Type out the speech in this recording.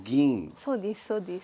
そうですそうです。